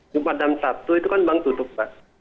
jumat dan sabtu itu kan bank tutup pak